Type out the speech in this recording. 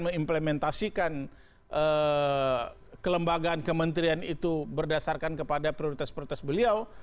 mengimplementasikan kelembagaan kementerian itu berdasarkan kepada prioritas prioritas beliau